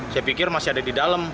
saya pikir masih ada di dalam